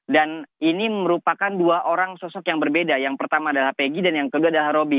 dan ini merupakan dua orang sosok yang berbeda yang pertama adalah peggy dan yang kedua adalah rudy